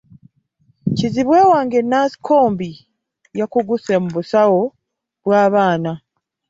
Kizibwe wange Nansikombi yakuguse mu busawo bw'abaana bato.